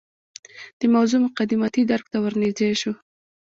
د موضوع مقدماتي درک ته ورنژدې شو.